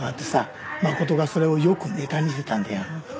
真琴がそれをよくネタにしてたんだよ。